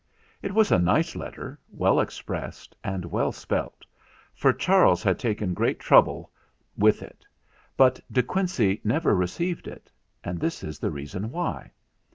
It was a nice letter, well expressed and well spelt, for Charles had taken great trouble with it; but De Quincey never received it, and this is the reason why.